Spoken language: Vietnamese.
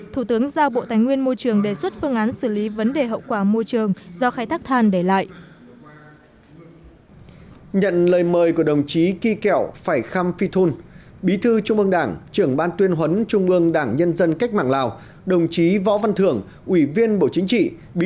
thủ tướng giao bộ tài nguyên môi trường đề xuất phương án xử lý vấn đề hậu quả môi trường do khai thác than để lại